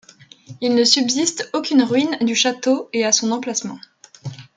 Il ne subsiste aucune ruine du château et à son emplacement.